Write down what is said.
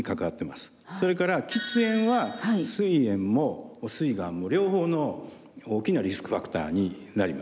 それから喫煙はすい炎もすいがんも両方の大きなリスクファクターになります。